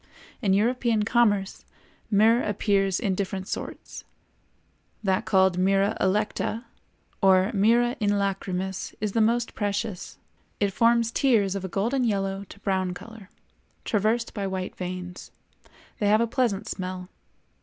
In European commerce myrrh appears in different sorts; that called myrrha electa or myrrha in lacrimis is the most precious; it forms tears of a golden yellow to brown color, traversed by white veins; they have a pleasant smell.